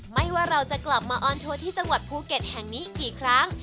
ว่าเราจะกลับมาออนทัวร์ที่จังหวัดภูเก็ตแห่งนี้กี่ครั้ง